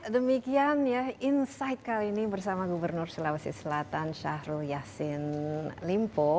demikian ya insight kali ini bersama gubernur sulawesi selatan syahrul yassin limpo